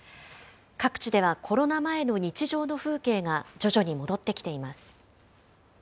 各地ではコロナ前の日常の風景が徐々に戻ってきています。